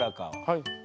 はい。